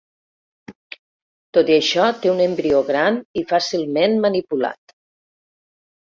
Tot i això, té un embrió gran i fàcilment manipulat.